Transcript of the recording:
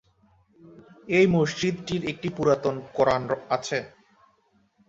এই মসজিদটির একটি পুরাতন কোরআন আছে।